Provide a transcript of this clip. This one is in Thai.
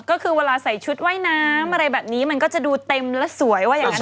ก็คือเวลาใส่ชุดว่ายน้ำอะไรแบบนี้มันก็จะดูเต็มและสวยว่าอย่างนั้น